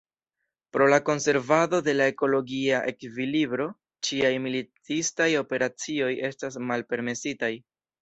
Pro la konservado de la ekologia ekvilibro, ĉiaj militistaj operacioj estas malpermesitaj.